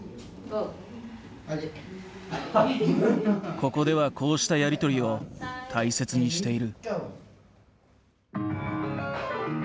ここではこうしたやり取りを大切にしている。